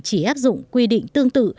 chỉ áp dụng quy định tương tự